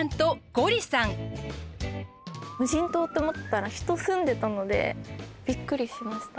無人島って思ってたら人住んでたのでびっくりしました。